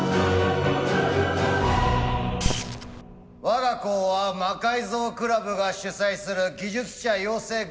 我が校は魔改造クラブが主宰する技術者養成学校である。